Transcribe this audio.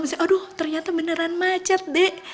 misalnya aduh ternyata beneran macet dek